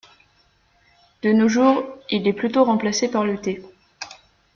De nos jours, il est plutôt remplacé par le thé.